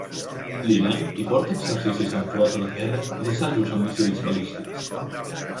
L'Iran hi porta exercicis amb flota de guerra i assajos amb míssils balístics.